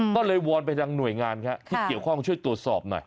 ก็เลยวอนไปยังหน่วยงานที่เกี่ยวข้องช่วยตรวจสอบหน่อย